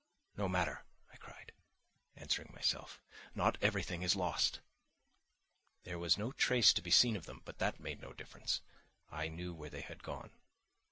"No matter!" I cried, answering myself. "Now everything is lost!" There was no trace to be seen of them, but that made no difference—I knew where they had gone.